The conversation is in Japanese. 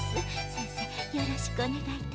せんせいよろしくおねがいいたします。